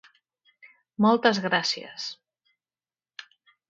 Moltes gràcies